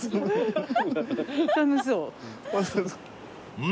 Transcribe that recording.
［うん？